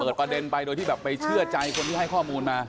ประเด็นไปโดยที่แบบไปเชื่อใจคนที่ให้ข้อมูลมา